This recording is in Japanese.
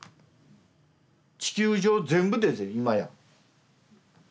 地球上全部で今や。